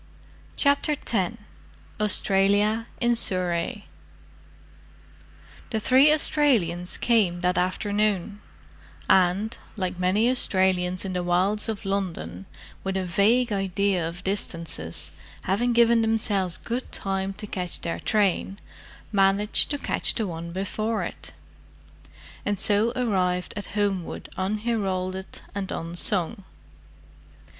CHAPTER X AUSTRALIA IN SURREY The three Australians came that afternoon; and, like many Australians in the wilds of London with a vague idea of distances, having given themselves good time to catch their train, managed to catch the one before it; and so arrived at Homewood unheralded and unsung.